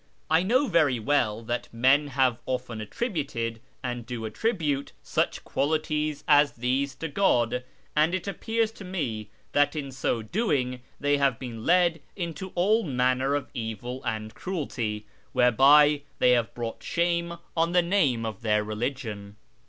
" I know very well that men have often attributed, and do attribute, such qualities as these to God, and it appears to me that in so doing they have been led into all manner of evil and cruelty, whereby they have brought shame on the name of their religion.